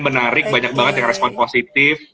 menarik banyak banget yang respon positif